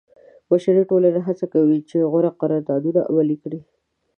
بشري ټولنې هڅه کوي چې غوره قراردادونه عملي کړي.